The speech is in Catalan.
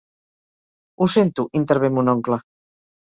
Ho sento, intervé mon oncle.